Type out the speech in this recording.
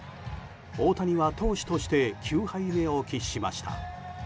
大谷は投手として９敗目を喫しました。